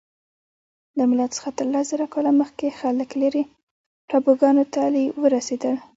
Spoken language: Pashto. له میلاد څخه تر لس زره کاله مخکې خلک لیرې ټاپوګانو ته ورسیدل.